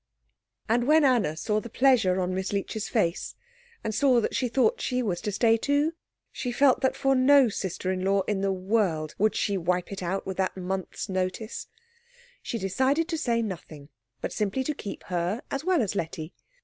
And when Anna saw the pleasure on Miss Leech's face, and saw that she thought she was to stay too, she felt that for no sister in law in the world would she wipe it out with that month's notice. She decided to say nothing, but simply to keep her as well as Letty.